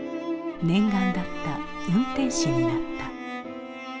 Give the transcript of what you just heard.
念願だった運転士になった。